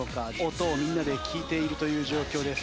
音をみんなで聴いているという状況です。